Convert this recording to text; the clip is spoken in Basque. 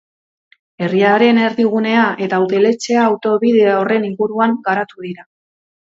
Herriaren erdigunea eta udaletxea autobide horren inguruan garatu dira.